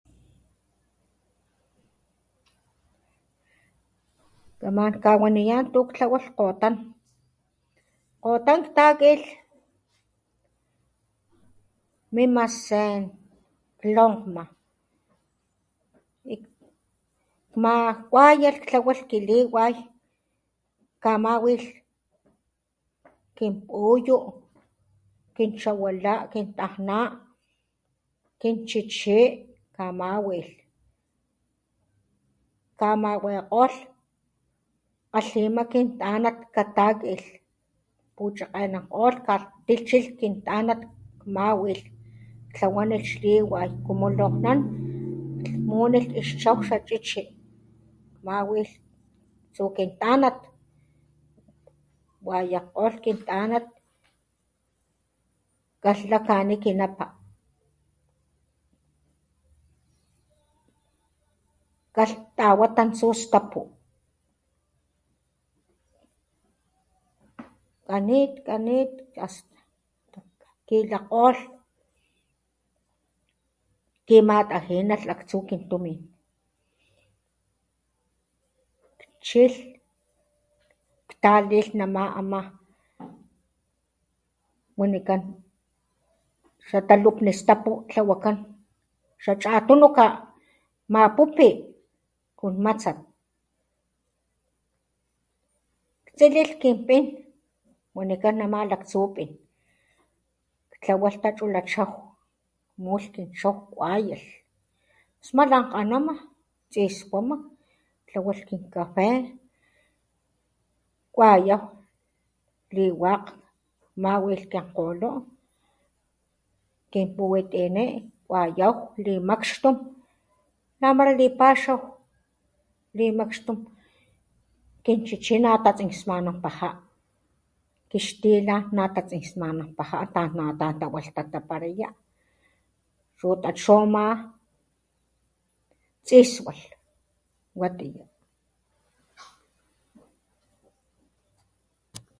Kamak kawaniyán tuk tlawalh kgotán kgotán ta kilhk mi ma se lokna ma kwaye tlawalhkiliway kama wix kinpuyu kin chawilá kintajná kinchichí amá wilh kama wekg kgolh akxilh mak kiltanak katalktilh kuchu kga nak kgolh ka kilhchik kintanat mawilh tlawá nexiwalh como lokgtlan mole xchaw xachichi mawilh tsukintanat wayakgolh kintanat kgalhakakinikinapa kgalhtawakan tsustapu kganit kganit [...] kilhakgolh kimakgalhin nak aktsu kin tumin akxilh 'talilh nama amá wanikán xataluk lestapu tlawakálh chu chatunu mapupi kutmatsat tsililh kilpin wanikán namá laktsúpi tlawalh tachu nachaw muxkin chow kwax smalakganama chi skumak tlawax kincafé kwayau kinwak mawikgiakgoló kipuwiltini wayaw limakxtu tambaralipaxaw limakxtum kinchichí na tatsinswanapajá kixtila nakgatsismanapaja takgnatatawalhtataparaya chu tatchujma tsiswalh watiyá